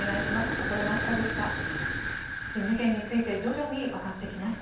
小古山記者でした。